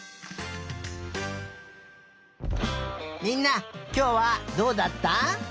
みんなきょうはどうだった？